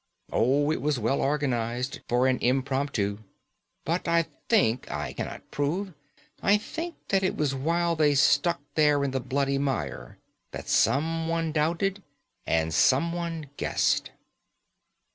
Oh, it was well organised for an impromptu. But I think (I cannot prove), I think that it was while they stuck there in the bloody mire that someone doubted and someone guessed."